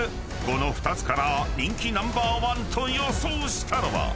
この２つから人気ナンバーワンと予想したのは］